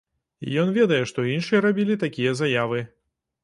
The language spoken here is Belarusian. І ён ведае, што іншыя рабілі такія заявы.